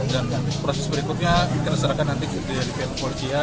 dan proses berikutnya kita serahkan nanti ke pihak kepolisian